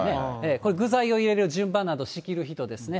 これ、具材を入れる順番などを仕切る人ですね。